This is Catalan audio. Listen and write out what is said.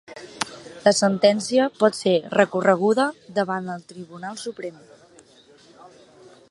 La sentència pot ser recorreguda davant del Tribunal Suprem.